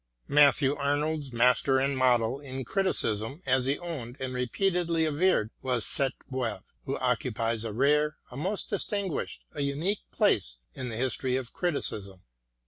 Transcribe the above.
Matthew Arnold's master and model in criticism, as he owned and repeatedly averred, was Sainte Beuve, who occupies a rare, a most distinguished, a unique place in the history of criticism.